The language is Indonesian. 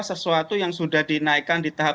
sesuatu yang sudah dinaikkan di tahap